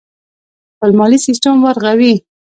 خپل مالي سیستم ورغوي.